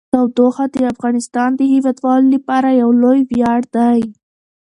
تودوخه د افغانستان د هیوادوالو لپاره یو لوی ویاړ دی.